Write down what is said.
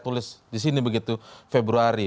tulis di sini begitu februari